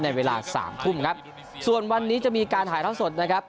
เวลาสามทุ่มครับส่วนวันนี้จะมีการถ่ายท่อสดนะครับ